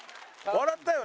笑ったよ。